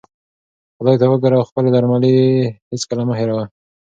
خدای ته وګوره او خپلې درملې هیڅکله مه هېروه.